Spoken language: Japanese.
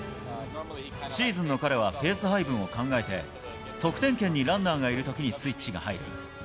シーズンの彼はペース配分を考えて、得点圏にランナーがいるときにスイッチが入る。